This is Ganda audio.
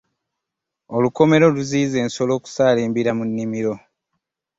Olukomera okuziyiza ensolo okusaalimbira mu nnimiro.